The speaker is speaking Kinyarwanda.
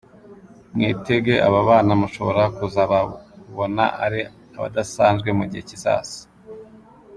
Mwitege aba bana mushobora kuzababona ari abadasanzwe mu gihe kizaza.